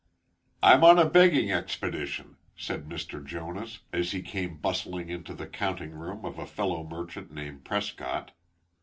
"I'M on a begging expedition," said Mr. Jonas, as he came bustling into the counting room of a fellow merchant named Prescott.